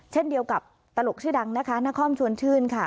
เช่นเดียวกับตลกชื่อดังนะคะนครชวนชื่นค่ะ